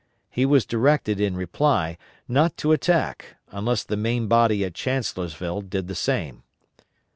He was directed, in reply, not to attack, unless the main body at Chancellorsville did the same.